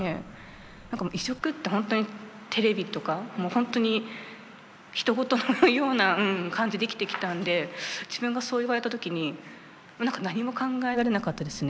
何か移植って本当にテレビとか本当にひと事のような感じで生きてきたんで自分がそう言われた時に何も考えられなかったですね。